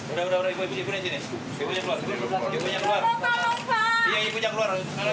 udah udah ibu ini ibu yang keluar ibu yang keluar